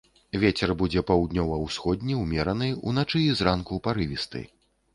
Вецер будзе паўднёва-ўсходні ўмераны, уначы і зранку парывісты.